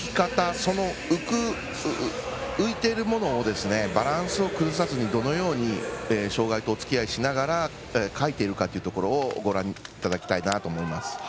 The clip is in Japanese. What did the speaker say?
その浮いているものをバランスを崩さずにどのように障がいとおつきあいしながらかいているかというところをご覧いただきたいなと思います。